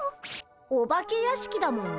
お化け屋敷だもんね。